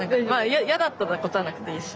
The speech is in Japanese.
嫌だったら答えなくていいし。